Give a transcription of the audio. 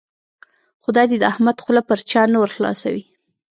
خدای دې د احمد خوله پر چا نه ور خلاصوي.